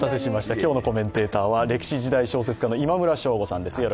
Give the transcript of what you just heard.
今日のコメンテーターは歴史・時代小説家の今村翔吾さんです。